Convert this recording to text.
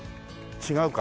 違うか。